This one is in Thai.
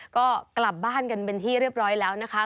ก็กลับบ้านกันเป็นที่เรียบร้อยแล้วนะคะ